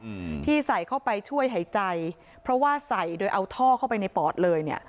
อืมที่ใส่เข้าไปช่วยหายใจเพราะว่าใส่โดยเอาท่อเข้าไปในปอดเลยเนี้ย